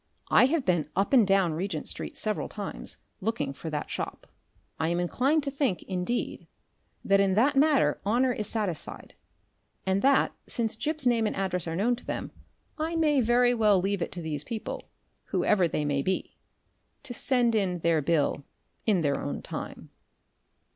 I have been up and down Regent Street several times, looking for that shop. I am inclined to think, indeed, that in that matter honour is satisfied, and that, since Gip's name and address are known to them, I may very well leave it to these people, whoever they may be, to send in their bill in their own time.